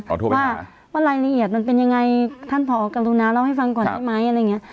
อ๋อโทรไปคุยค่ะว่าว่ารายละเอียดมันเป็นยังไงท่านผอกรุณาเล่าให้ฟังก่อนใช่ไหมอะไรอย่างเงี้ย